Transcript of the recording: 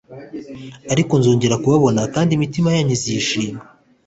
ariko nzongera kubabona kandi imitima yanyu izishima